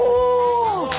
お！